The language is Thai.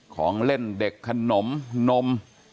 ของเล่นเด็กขนมนม